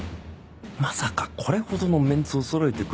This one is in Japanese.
まさかこれほどのメンツをそろえてくるとは